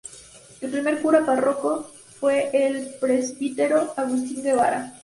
El primer cura párroco fue el presbítero Agustín Guevara.